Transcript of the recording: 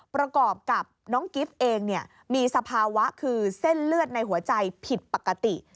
ประกอบกับน้องกิฟต์เองมีสภาวะคือเส้นเลือดในหัวใจผิดปกติ